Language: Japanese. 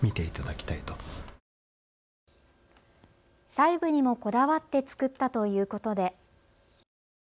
細部にもこだわって作ったということで。